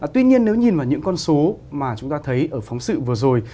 tuy nhiên nếu nhìn vào những con số mà chúng ta thấy ở phóng sự vừa rồi